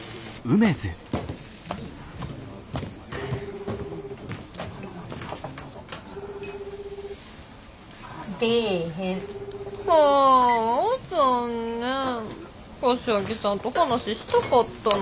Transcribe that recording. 柏木さんと話したかったのに。